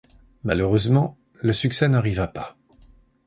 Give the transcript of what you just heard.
Malheureusement, le succès n'arriva pas.